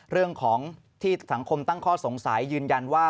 เรื่องของที่สังคมตั้งข้อสงสัยยืนยันว่า